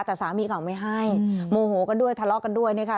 แต่สามีเก่าไม่ให้โมโหกันด้วยทะเลาะกันด้วยนะคะ